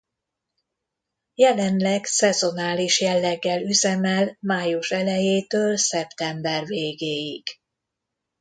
Jelenleg szezonális jelleggel üzemel május elejétől szeptember végéig.